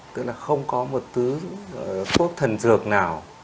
tức là không có một thứ thuốc thần dược nào